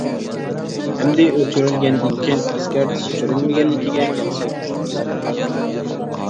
ئەمدى، ئۆچۈرۈلگەندىن كېيىن ئەسكەرتىش بېرىلمىگەنلىكىگە كەلسەك: بۇ قىسمەن ئەھۋال.